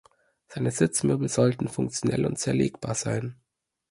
Seine Sitzmöbel sollten funktionell und zerlegbar sein.